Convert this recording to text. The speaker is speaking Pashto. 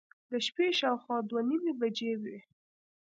د شپې شاوخوا دوه نیمې بجې وې.